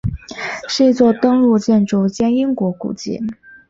是一座登录建筑兼英国古迹。